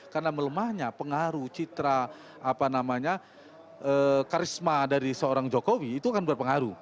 karena melemahnya pengaruh citra karisma dari seorang jokowi itu akan berpengaruh